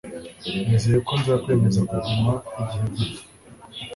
Nizeye ko nzakwemeza kuguma igihe gito.